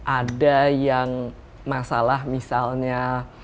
ada yang masalah misalnya